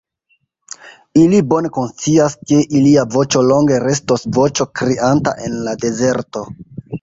Ili bone konscias, ke ilia voĉo longe restos voĉo krianta en la dezerto.